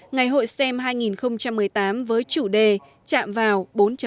ngày hội stem hai nghìn một mươi tám với chủ đề chạm vào bốn